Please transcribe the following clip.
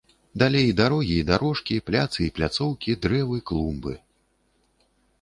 Далей дарогі і дарожкі, пляцы і пляцоўкі, дрэвы, клумбы.